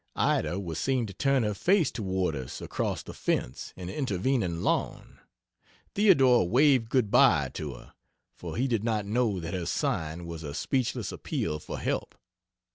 Ida was seen to turn her face toward us across the fence and intervening lawn Theodore waved good bye to her, for he did not know that her sign was a speechless appeal for help.